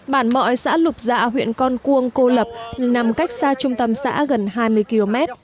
bản mọi xã lục dạ huyện con cuông cô lập nằm cách xa trung tâm xã gần hai mươi km